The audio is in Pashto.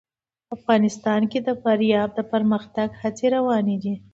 افغانستان کې د فاریاب د پرمختګ هڅې روانې دي.